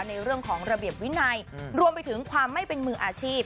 ในเรื่องของระเบียบวินัยรวมไปถึงความไม่เป็นมืออาชีพ